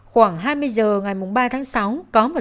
khoảng hai mươi giờ ngày ba tháng sáu có một thay đổi